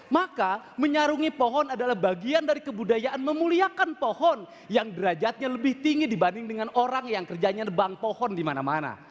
maka menyarungi pohon adalah bagian dari kebudayaan memuliakan pohon yang derajatnya lebih tinggi dibanding dengan orang yang kerjanya nebang pohon di mana mana